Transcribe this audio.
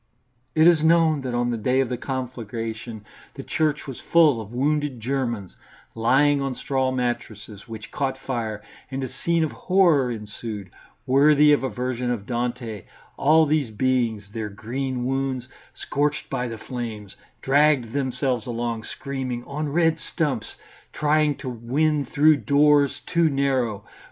It is known that on the day of the conflagration the church was full of wounded Germans lying on straw mattresses, which caught fire, and a scene of horror ensued, worthy of a vision of Dante; all these beings, their green wounds scorched by the flames, dragged themselves along screaming, on red stumps, trying to win through doors too narrow.